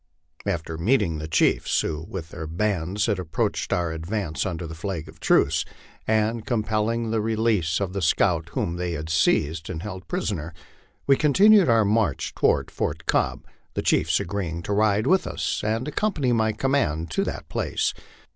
After meeting the chiefs, who with their bands had approached our ad vance under flag of truce, and compelling the release of the scout whom they had seized and held prisoner, we continued our march toward Fort Cobb, the chiefs agreeing to ride with us and accompany my command to that place.